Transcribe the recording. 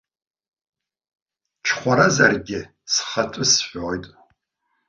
Ҽхәаразаргьы, схатәы сҳәоит.